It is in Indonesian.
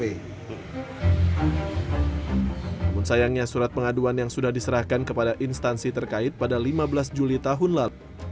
namun sayangnya surat pengaduan yang sudah diserahkan kepada instansi terkait pada lima belas juli tahun lalu